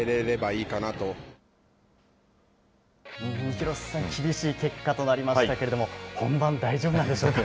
廣瀬さん、厳しい結果となりましたけれども、本番大丈夫なんでしょうか。